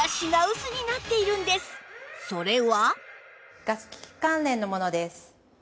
それは